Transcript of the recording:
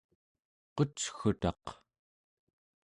qucgutaq